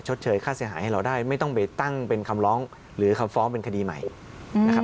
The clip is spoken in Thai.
เชยค่าเสียหายให้เราได้ไม่ต้องไปตั้งเป็นคำร้องหรือคำฟ้องเป็นคดีใหม่นะครับ